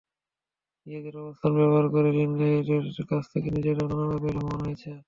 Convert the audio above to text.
নিজেদের অবস্থান ব্যবহার করে ঋণগ্রহীতাদের কাছ থেকে নিজেরাও নানাভাবে লাভবান হয়েছেন।